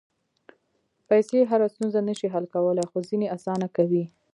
پېسې هره ستونزه نه شي حل کولی، خو ځینې اسانه کوي.